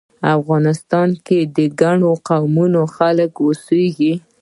افغانستان کې د ګڼو قومونو خلک اوسیږی